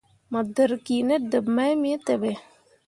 Mo dǝrriki ne deb mai me teɓe.